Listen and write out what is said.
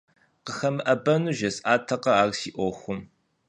КъыхэмыӀэбэну жесӀатэкъэ ар си Ӏуэхум?